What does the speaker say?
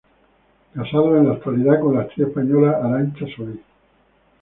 Casado en la actualidad con la actriz española Arancha Solis.